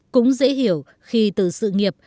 cũng dễ hiểu khi từ sự nghiệp